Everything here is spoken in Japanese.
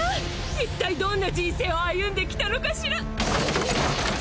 一体どんな人生を歩んできたのかしら！？